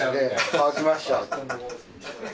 乾きました。